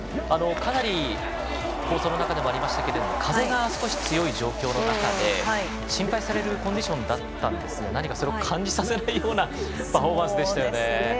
かなり放送の中でもありましたが風が強い状況の中で心配されるコンディションだったんですが何か、それを感じさせないようなパフォーマンスでしたよね。